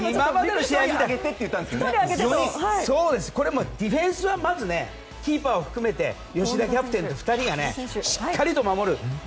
これ、ディフェンスはまずキーパーを含めて吉田キャプテンと２人がしっかりと守る。